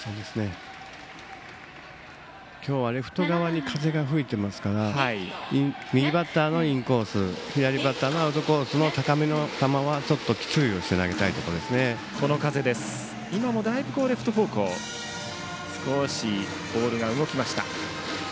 今日はレフト側に風が吹いていますから右バッターのインコース左バッターのアウトコースへの高めの球はちょっと注意して投げたいですね。